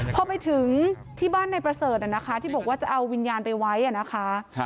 พอไปถึงที่บ้านนายประเสริฐนะคะที่บอกว่าจะเอาวิญญาณไปไว้นะคะ